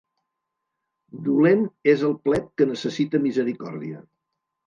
Dolent és el plet que necessita misericòrdia.